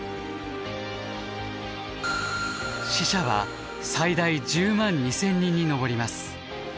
死者は最大１０万２，０００人に上ります。